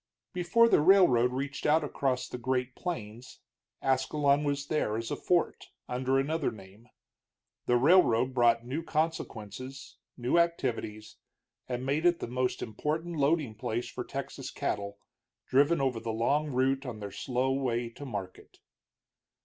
Before the railroad reached out across the Great Plains, Ascalon was there as a fort, under another name. The railroad brought new consequence, new activities, and made it the most important loading place for Texas cattle, driven over the long route on their slow way to market.